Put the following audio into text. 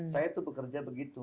saya itu bekerja begitu